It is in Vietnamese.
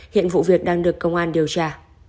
hiện vụ việc đang được công an điều tra